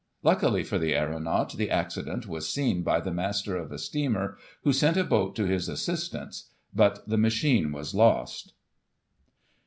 Luckily for the aeronaut, the accident was seen by the master of a steamer, who sent a boat to his assistance, but the machine was lost.